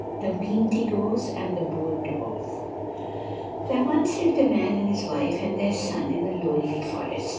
THE WEENDIGOES AND THE BONE DWARF |THERE once lived a man and his wife and their son in a lonely forest.